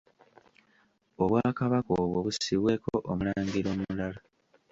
Obwakabaka obwo bussibweko omulangira omulala.